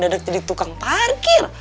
aku mendadak jadi tukang parkir